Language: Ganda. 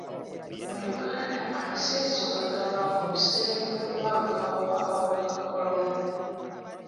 Mu Uganda, amasinzizo gaggalwawo mu biseera by'okubalukawo kw'akawuka ka kolona.